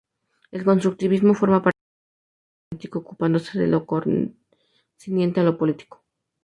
El constructivismo forma parte del liberalismo político, ocupándose de lo concerniente a lo político.